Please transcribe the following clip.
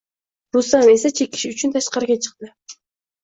Rustam esa chekish uchun tashqariga chiqdi